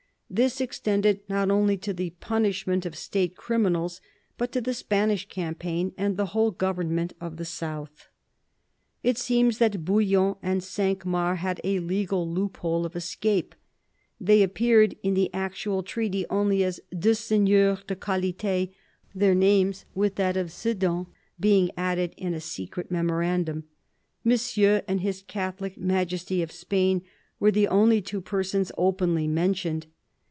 This extended not only to the punishment of State criminals, but to the Spanish campaign and the whole government of the south. It seems that Bouillon and Cinq Mars had a legal loophole of escape. They appeared in the actual treaty only as " deux seigneurs de qualite," their names, with that of Sedan, being added in a secret memorandum ; Monsieur and His Catholic Majesty of Spain were the only two per sons openly mentioned.